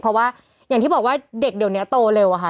เพราะว่าอย่างที่บอกว่าเด็กเดี๋ยวนี้โตเร็วอะค่ะ